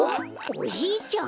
おじいちゃん。